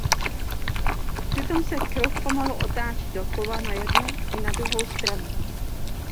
Přitom se kruh pomalu otáčí dokola na jednu i na druhou stranu.